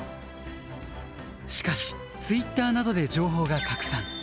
しかしツイッターなどで情報が拡散。